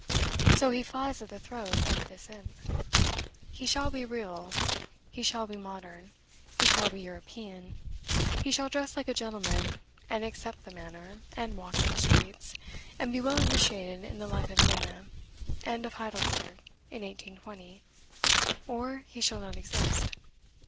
So he flies at the throat of this imp. He shall be real; he shall be modern; he shall be European; he shall dress like a gentleman, and accept the manner, and walk in the streets, and be well initiated in the life of Vienna, and of Heidelberg, in 1820, or he shall not exist.